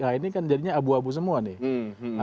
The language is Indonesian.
nah ini kan jadinya abu abu semua nih